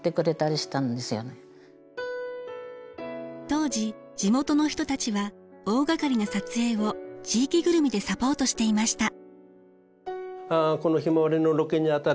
当時地元の人たちは大がかりな撮影を地域ぐるみでサポートしていました。